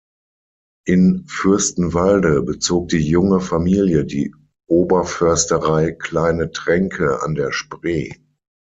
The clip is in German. In Fürstenwalde bezog die junge Familie die Oberförsterei „Kleine Tränke“ an der Spree.